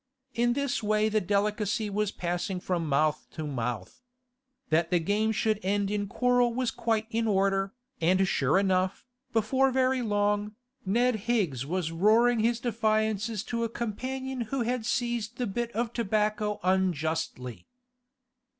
In this way the delicacy was passing from mouth to mouth. That the game should end in quarrel was quite in order, and sure enough, before very long, Ned Higgs was roaring his defiances to a companion who had seized the bit of tobacco unjustly.